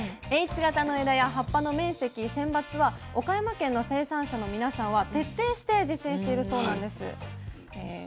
Ｈ型の枝や葉っぱの面積選抜は岡山県の生産者の皆さんは徹底して実践しているそうなんです。